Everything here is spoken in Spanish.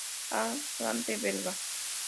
A. Gante belga.